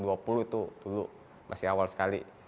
itu dulu masih awal sekali